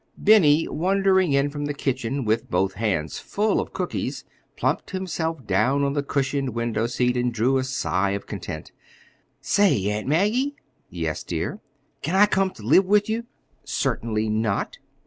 Benny, wandering in from the kitchen, with both hands full of cookies, plumped himself down on the cushioned window seat, and drew a sigh of content. "Say, Aunt Maggie." "Yes, dear." "Can I come ter live with you?" "Certainly not!"